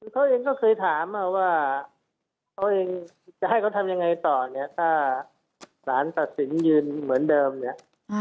เขาเองก็เคยถามว่าเขาเองจะให้เขาทำยังไงต่อเนี่ยถ้าสารตัดสินยืนเหมือนเดิมเนี่ย